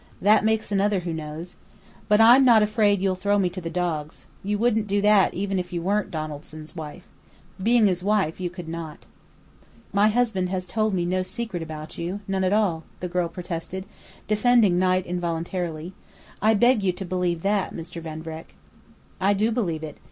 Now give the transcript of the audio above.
That makes another who knows. But I'm not afraid you'll throw me to the dogs. You wouldn't do that even if you weren't Donaldson's wife. Being his wife, you could not." "My husband has told me no secret about you, none at all," the girl protested, defending Knight involuntarily. "I beg you to believe that, Mr. Van Vreck." "I do believe it.